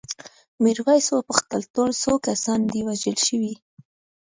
میرويس وپوښتل ټول څو کسان دي وژل شوي؟